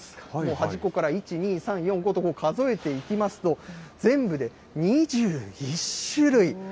端っこから１、２、３、４、５と数えていきますと、全部で２１種類。